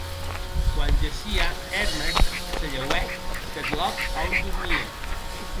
Quan gessie, Hermes se lheuèc deth lòc a on dormie.